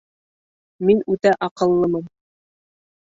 Мин үтә аҡыллымын.